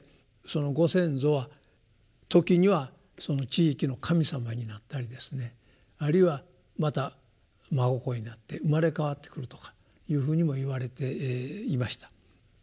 そのご先祖は時には地域の神様になったりですねあるいはまた孫子になって生まれ変わってくるとかいうふうにも言われていました。